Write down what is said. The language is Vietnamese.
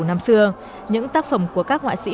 năm xưa những tác phẩm của các họa sĩ